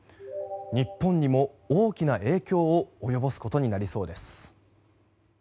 日本にも大きな影響を及ぼすことになりそうです。